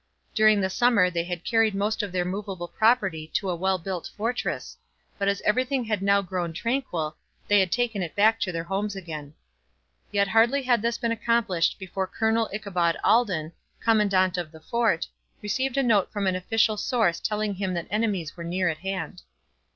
During the summer they had carried most of their movable property to a well built fortress. But as everything had now grown tranquil, they had taken it back to their homes again. Yet hardly had this been accomplished before Colonel Ichabod Alden, commandant of the fort, received a note from an official source telling him that enemies were near at hand.